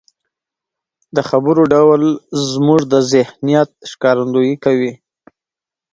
د خبرو ډول زموږ د ذهنيت ښکارندويي کوي.